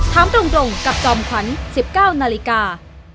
ถามตรงกับจอมขวัญ๑๙นาฬิกา